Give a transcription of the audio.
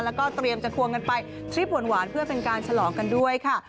แล้วก็เตรียมจะควงกันไปทริปหวานเพื่อเป็นการฉลองกันด้วยค่ะ